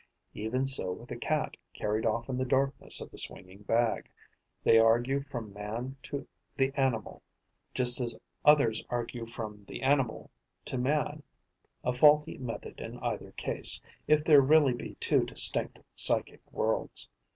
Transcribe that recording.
Even so with the Cat carried off in the darkness of the swinging bag. They argue from man to the animal, just as others argue from the animal to man: a faulty method in either case, if there really be two distinct psychic worlds.